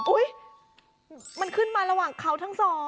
อุ๊ยมันขึ้นมาระหว่างเขาทั้งสอง